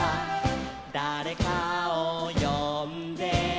「だれかをよんで」